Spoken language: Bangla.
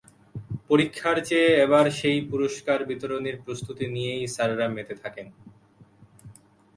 পরীক্ষার চেয়ে এবার সেই পুরস্কার বিতরণীর প্রস্ত্ততি নিয়েই স্যাররা মেতে থাকেন।